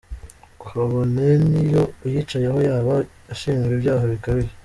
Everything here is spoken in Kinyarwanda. Kabone n’iyo uyicayeho yaba ashinjwa ibyaha bikabije.